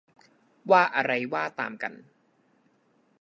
ว่าอะไรว่าตามกัน